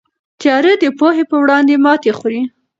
تیاره د پوهې په وړاندې ماتې خوري.